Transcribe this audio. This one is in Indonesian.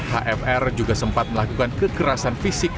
hfr juga sempat melakukan kekerasan fisik